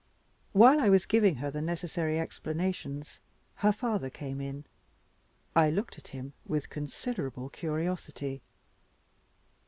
While I was giving her the necessary explanations her father came in. I looked at him with considerable curiosity.